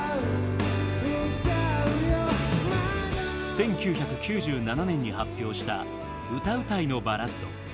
１９９７年に発表した「歌うたいのバラッド」。